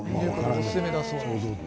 おすすめだそうです。